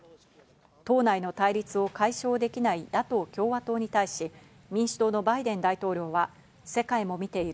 党内の対立を解消できない野党・共和党に対し民主党のバイデン大統領は世界も見ている。